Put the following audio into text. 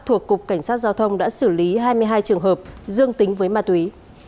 thuộc cục cảnh sát giao thông đã xử lý hai mươi hai trường hợp dương tính với ma túy